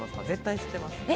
絶対知っています。